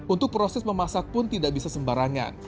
untuk proses memasak pun tidak bisa sembarangan